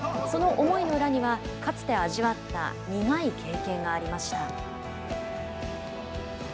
その思いの裏にはかつて味わった苦い経験がありました。